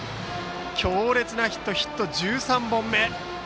強烈なヒットでヒットは１３本目。